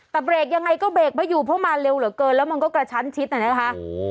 แต่เบรกยังไงก็เบรกไม่อยู่เพราะมาเร็วเหลือเกินแล้วมันก็กระชั้นชิดน่ะนะคะ